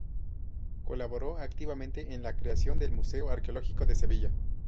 Colaboró activamente en la creación del Museo Arqueológico de Sevilla.